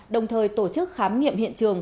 đồng thời tổ chức khám nghiệm hiện trường